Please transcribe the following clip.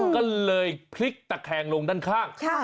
ก็เลยพลิกตะแคงลงด้านข้าง